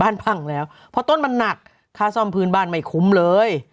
พังแล้วเพราะต้นมันหนักค่าซ่อมพื้นบ้านไม่คุ้มเลย